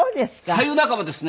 白湯仲間ですね。